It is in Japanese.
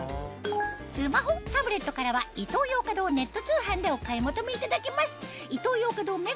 スマホタブレットからはイトーヨーカドーネット通販でお買い求めいただけます